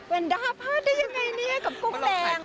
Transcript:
ด้าพลาดได้ยังไงเนี่ยกับกุ้งแดง